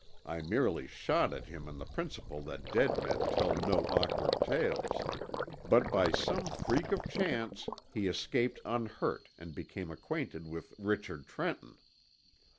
I merely shot at him on the principle that dead men tell no awkward tales), but by some freak of chance he escaped unhurt and became acquainted with Richard Trenton.